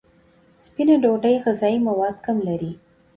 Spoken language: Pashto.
سپینه ډوډۍ غذایي مواد کم لري.